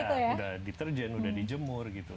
ya sudah deterjen sudah dijemur gitu